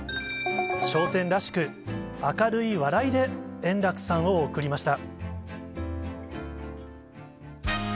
笑点らしく、明るい笑いで円楽さんを送りました。